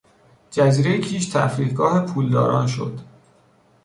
جزیرهی کیش تفریحگاه پولداران شد.